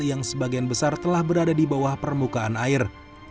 yang sebagian besar telah berada di bawah permukaan air